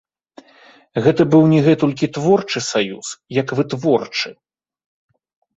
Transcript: Гэта быў не гэтулькі творчы саюз, як вытворчы.